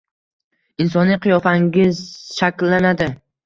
insoniy qiyofangiz shakllanadi.